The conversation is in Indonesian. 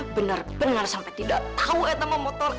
benar benar sampai tidak tahu gtamotor